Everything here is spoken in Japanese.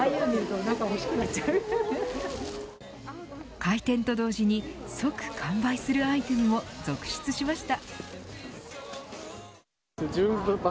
開店と同時に即完売するアイテムも続出しました。